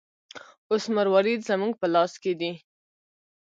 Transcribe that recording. اوس مروارید زموږ په لاس کې دی.